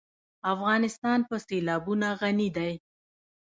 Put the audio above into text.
افغانستان په سیلابونه غني دی.